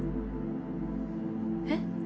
えっ？